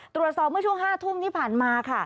ตรวจสอบเมื่อช่วง๕ทุ่มที่ผ่านมาค่ะ